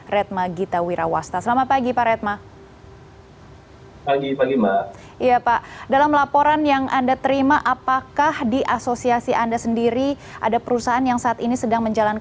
retma gita wirawasta selamat pagi pak redma